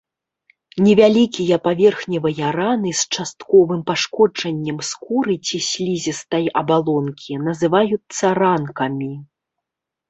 Невялікія паверхневыя раны з частковым пашкоджаннем скуры ці слізістай абалонкі называюцца ранкамі.